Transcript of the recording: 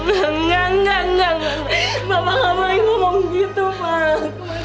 enggak enggak enggak bapak nggak boleh ngomong gitu pak